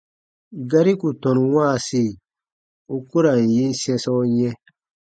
Gari ku tɔnu wãasi, u ku ra n yin sɛ̃sɔ yɛ̃.